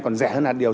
còn rẻ hơn hạt điều